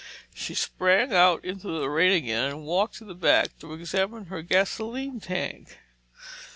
She sprang out into the rain again and walked to the back to examine her gasoline tank.